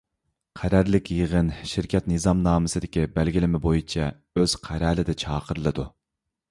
قەرەللىك يىغىن شىركەت نىزامنامىسىدىكى بەلگىلىمە بويىچە ئۆز قەرەلىدە چاقىرىلىدۇ.